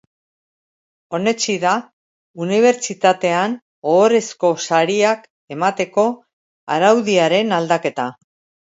Onetsi da unibertsitatean ohorezko sariak emateko araudiaren aldaketa.